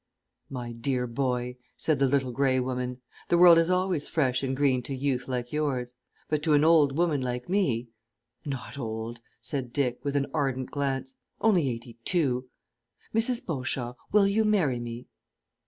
"My dear boy," said the Little Grey Woman, "the world is always fresh and green to youth like yours. But to an old woman like me " "Not old," said Dick, with an ardent glance; "only eighty two. Mrs. Beauchamp, will you marry me?"